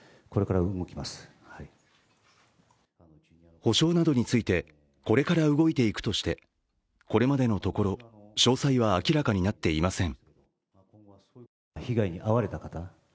補償などについて、これから動いていくとして、これまでのところ詳細は明らかになっていません。